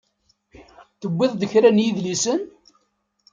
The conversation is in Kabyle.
Tewwiḍ-d kra n yidlisen?